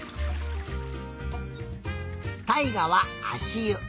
たいがはあしゆ。